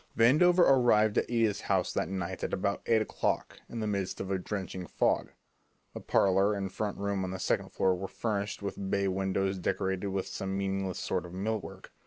Vandover arrived at Ida's house that night at about eight o'clock in the midst of a drenching fog. The parlour and front room on the second floor were furnished with bay windows decorated with some meaningless sort of millwork.